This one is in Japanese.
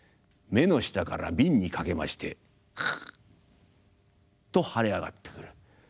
目の下から鬢にかけましてカッと腫れ上がってくる。